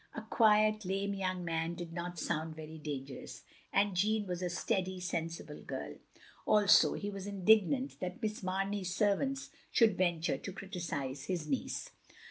A quiet, lame young man did not sound very dangerous, and Jeanne was a steady, sensible girl. Also he was indignant that Miss Mamey's servants shotild venture to criticise his niece.